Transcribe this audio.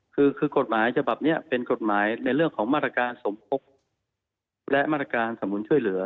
คือกฎหมายฉบับนี้เป็นกฎหมายในเรื่องของมาตรการสมคบและมาตรการสำนุนช่วยเหลือ